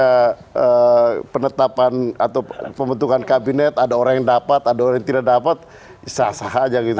ada penetapan atau pembentukan kabinet ada orang yang dapat ada orang yang tidak dapat sah sah aja gitu